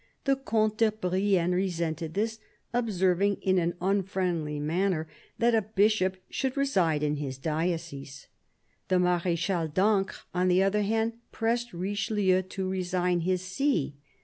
The Comte de Brienne resented this, observing in an unfriendly manner that a Bishop should reside in his diocese. The Marechal d'Ancre, on the other hand, pressed Richelieu to resign his see.